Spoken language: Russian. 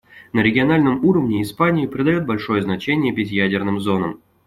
На региональном уровне Испания придает большое значение безъядерным зонам.